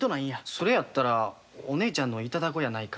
「それやったらお姉ちゃんの頂こうやないか」